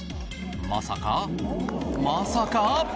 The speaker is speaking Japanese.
まさか、まさか。